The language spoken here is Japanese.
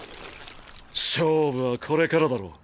勝負はこれからだろ。